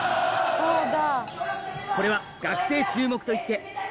そうだ！